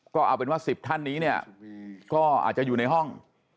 ก็เอาเป็นว่า๑๐ท่านนี้เนี่ยก็อาจจะอยู่ในห้อง